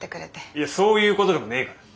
いやそういうことでもねえから。